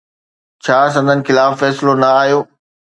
ڇا سندن خلاف فيصلو نه آيو؟